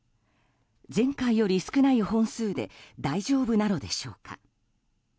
前回より少ない本数で大丈夫なのでしょうか？